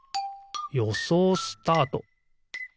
よそうスタート！